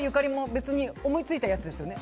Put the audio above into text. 別に思いついたやつですよね。